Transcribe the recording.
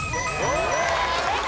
正解！